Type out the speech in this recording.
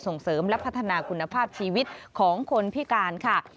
ส่งเสริมและพัฒนาคุณภาพชีวิตของคนพิการค่ะ